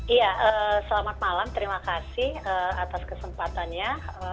iya selamat malam terima kasih atas kesempatannya